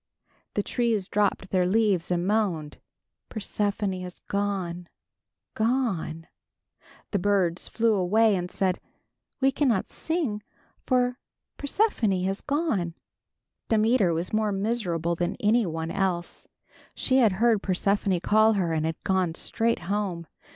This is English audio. The trees dropped their leaves and moaned, "Persephone has gone, gone." The birds flew away and said, "We cannot sing for Persephone has gone." Demeter was more miserable than any one else. She had heard Persephone call her, and had gone straight home.